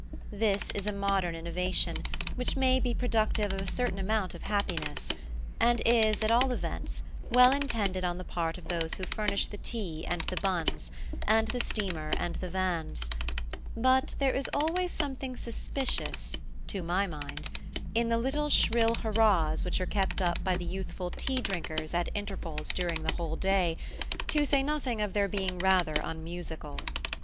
This is a modern innovation, which may be productive of a certain amount of happiness, and is, at all events, well intended on the part of those who furnish the tea and the buns, and the steamer and the vans; but there is always something suspicious, to my mind, in the little shrill hurrahs which are kept up by the youthful tea drinkers at intervals during the whole day, to say nothing of their being rather unmusical.